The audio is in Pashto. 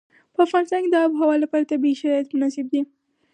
په افغانستان کې د آب وهوا لپاره طبیعي شرایط مناسب دي.